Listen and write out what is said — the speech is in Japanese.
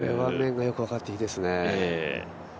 これは面がよく分かっていいですね。